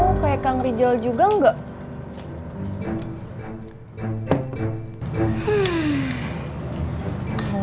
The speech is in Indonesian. suamimu kayak kang rijal juga enggak